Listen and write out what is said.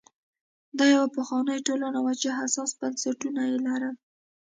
دا یوه پخوانۍ ټولنه وه چې حساس بنسټونه یې لرل